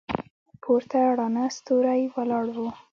پورته راڼه ستوري ولاړ ول.